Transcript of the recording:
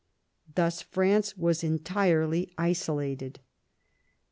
Thus France was entirely isolated.